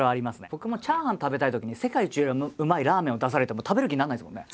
僕もチャーハン食べたいときに世界一うまいラーメンを出されても食べる気にならないですもんね。